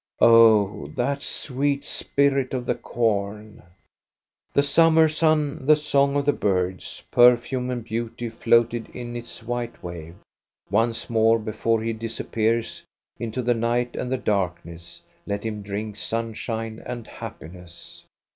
Oh, that sweet spirit of the corn ! 1 6 • INTRODUCTION The summer sun, the song of the birds, perfume and beauty floated in its white wave. Once more, before he disappears into the night and the darkness, let him drink sunshine and happiness.